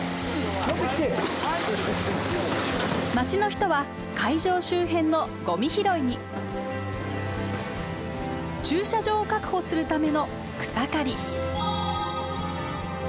町の人は会場周辺のゴミ拾いに駐車場を確保するための草刈り。